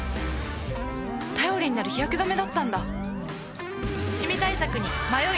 頼りになる日焼け止めだったんだ